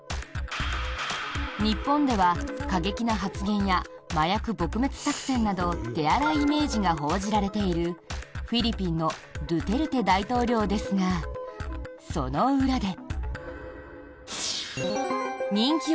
日本では過激な発言や麻薬撲滅作戦など手荒いイメージが報じられているフィリピンのドゥテルテ大統領ですがその裏で。